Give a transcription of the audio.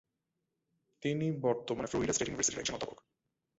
তিনি বর্তমানে Florida State ইউনিভার্সিটির একজন অধ্যাপক।